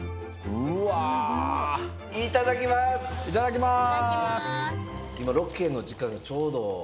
いただきます！